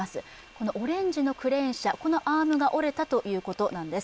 このオレンジのクレーン車このアームが折れたということです。